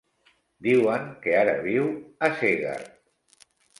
Diuen que ara viu a Segart.